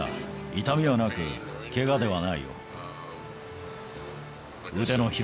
痛みはなく、けがではないよ。